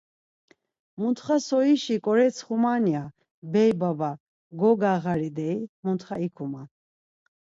Mutxa soyişi ǩoretsxuman ya, bey baba gogağari deyi mutxa ikuman.